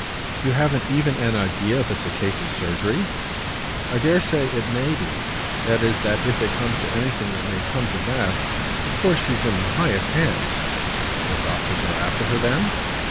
"You haven't even an idea if it's a case for surgery?" "I dare say it may be; that is that if it comes to anything it may come to that. Of course she's in the highest hands." "The doctors are after her then?"